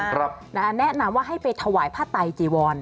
มีประสาทเยอะเหลือเกินนะครับแนะนำว่าให้ไปถวายผ้าไตจีวอน